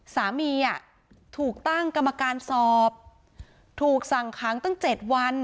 สามีอ่ะถูกตั้งกรรมการสอบถูกสั่งค้างตั้ง๗วัน